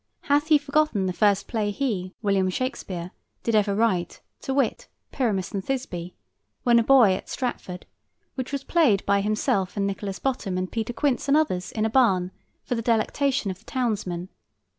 Hath he forgotten the first play he, William Shakespeare, did ever write, to wit, "Pyramus and Thisbe," when a boy at Stratford, which was played by himself and Nicholas Bottom and Peter Quince and others, in a barn, for the delectation of the townsmen?